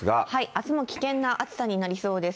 あすも危険な暑さになりそうです。